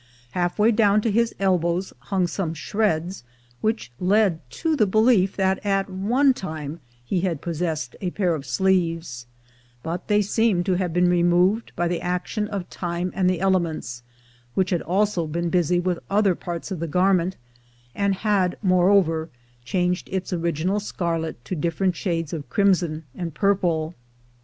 Half way down to his elbows hung some shreds, which led to the belief that at one time he had possessed a pair of sleeves; but they seemed to have been removed by the action of time and the elements, which had also been busy with other parts of the garment, and had, moreover, changed its original scarlet to different shades of crimson and purple.